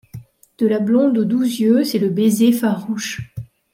De la blonde aux doux Yeux, c’est le baiser farouche ;